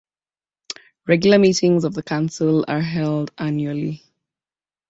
Regular meetings of the council are held annually.